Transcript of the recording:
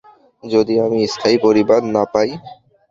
যদি আমি স্থায়ী পরিবার না পাই?